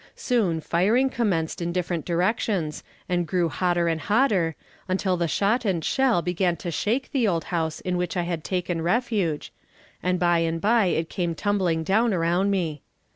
Soon, firing commenced in different directions, and grew hotter and hotter, until the shot and shell began to shake the old house in which I had taken refuge, and by and by it came tumbling down around me.